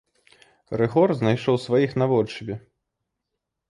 Рыгор знайшоў сваіх наводшыбе.